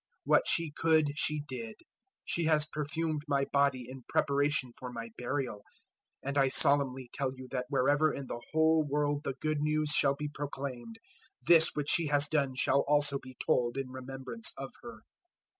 014:008 What she could she did: she has perfumed my body in preparation for my burial. 014:009 And I solemnly tell you that wherever in the whole world the Good News shall be proclaimed, this which she has done shall also be told in remembrance of her."